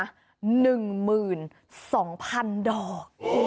หนึ่งหมื่นสองพันดอก